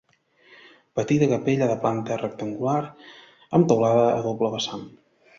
Petita capella de planta rectangular amb teulada a doble vessant.